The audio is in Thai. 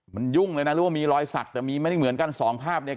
มันยุ่งเลยนะรู้ว่ามีรอยศักดิ์แต่มีไม่เหมือนกัน๒ภาพเนี่ย